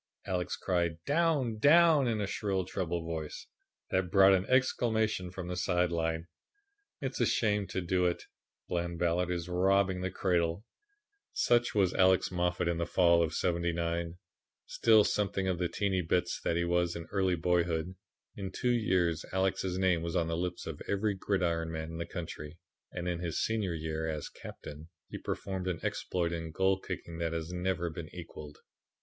Alex cried "Down! Down!" in a shrill, treble voice that brought an exclamation from the side line. "It's a shame to do it. Bland Ballard is robbing the cradle." Such was Alex Moffat in the fall of '79, still something of the "Teeny bits" that he was in early boyhood. In two years Alex's name was on the lips of every gridiron man in the country, and in his senior year, as captain, he performed an exploit in goal kicking that has never been equalled.